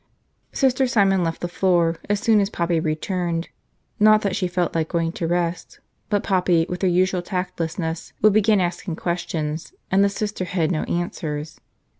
Sister Simon left the floor as soon as Poppy returned. Not that she felt like going to rest; but Poppy, with her usual tactlessness, would begin asking questions and the Sister had no answers.